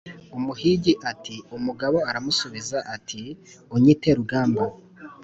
umuhigi ati umugabo aramusubiza ati: "unyite rugamba